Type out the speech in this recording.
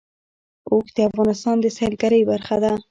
اوښ د افغانستان د سیلګرۍ برخه ده.